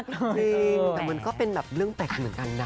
จริงแต่มันก็เป็นแบบเรื่องแปลกเหมือนกันนะ